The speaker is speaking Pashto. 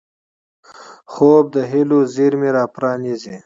خوب د هیلو زېرمې راپرانيزي